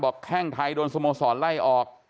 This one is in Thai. แข้งไทยโดนสโมสรไล่ออก